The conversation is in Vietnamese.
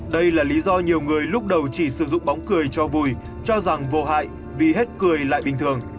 đây là lý do nhiều người lúc đầu chỉ sử dụng bóng cười cho vùi cho rằng vô hại vì hết cười lại bình thường